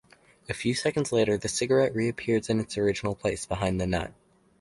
A few seconds later the cigarette re-appears in its original place, behind the nut.